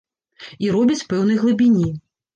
І робяць пэўнай глыбіні.